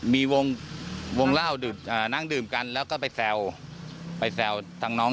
มีวงเล่านั่งดื่มกันแล้วก็ไปแซวไปแซวทางน้อง